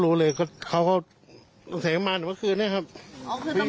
อ๋อคือตำรวจเอาหลวงตามมาตั้งแต่เมื่อคืนใช่ไหมคะพี่